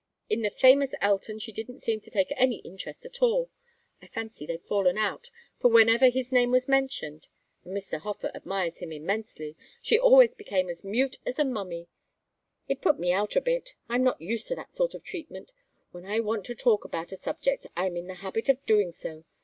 In the famous Elton she didn't seem to take any interest at all. I fancy they've fallen out, for whenever his name was mentioned and Mr. Hofer admires him immensely she always became as mute as a mummy. It put me out a bit. I'm not used to that sort of treatment. When I want to talk about a subject, I am in the habit of doing so.